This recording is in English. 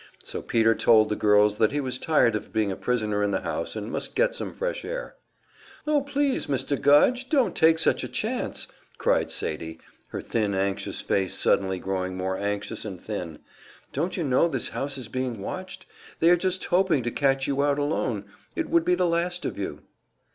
So Peter told the girls that he was tired of being a prisoner in the house and must get some fresh air. "Oh please, Mr. Gudge, don't take such a chance!" cried Sadie, her thin, anxious face suddenly growing more anxious and thin. "Don't you know this house is being watched? They are just hoping to catch you out alone. It would be the last of you."